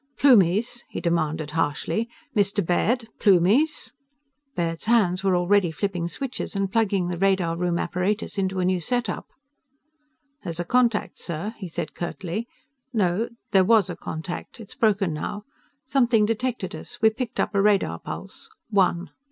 "Plumies?" he demanded harshly. "Mr. Baird! Plumies?" Baird's hands were already flipping switches and plugging the radar room apparatus into a new setup. "There's a contact, sir," he said curtly. "No. There was a contact. It's broken now. Something detected us. We picked up a radar pulse. One."